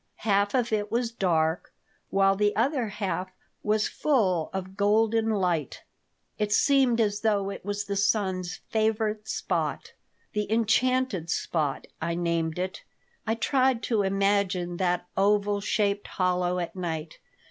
Half of it was dark, while the other half was full of golden light. It seemed as though it was the sun's favorite spot. "The enchanted spot," I named it. I tried to imagine that oval shaped hollow at night.